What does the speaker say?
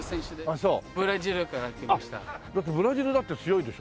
あっだってブラジルだって強いでしょ？